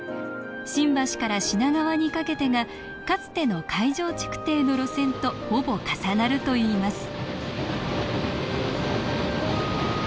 新橋から品川にかけてがかつての海上築堤の路線とほぼ重なるといいます